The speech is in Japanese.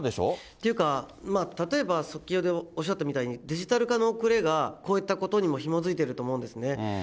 というか、例えば先ほどおっしゃったみたいに、デジタル化の遅れがこういったことにもひもづいていると思うんですね。